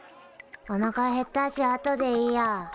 おなかへったしあとでいいや。